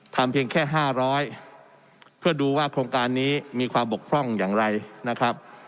เพียงแค่๕๐๐เพื่อดูว่าโครงการนี้มีความบกพร่องอย่างไรนะครับ